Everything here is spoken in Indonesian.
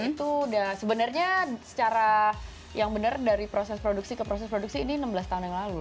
itu udah sebenarnya secara yang benar dari proses produksi ke proses produksi ini enam belas tahun yang lalu